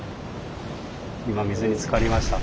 今水につかりました。